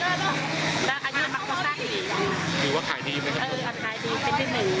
ถือว่าขายดีไหมครับพี่เออขายดีเป็นที่หนึ่ง